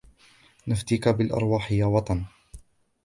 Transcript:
نَفْدِيكَ بِالْأَرْوَاحِ يَا وَطَن